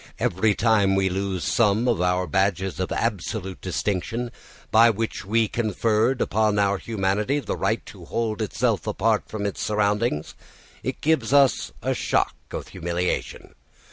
Every time we lose some of our badges of absolute distinction by which we conferred upon our humanity the right to hold itself apart from its surroundings, it gives us a shock of humiliation.